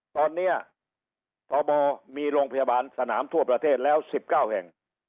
ตอนนี้ทบมีโรงพยาบาลสนามทั่วประเทศแล้ว๑๙แห่ง